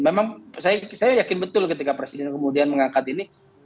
memang saya yakin betul ketika presiden kemudian mengangkat ini